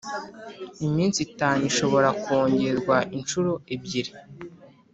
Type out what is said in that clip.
Iminsi itanu ishobora kongerwa inshuro ebyiri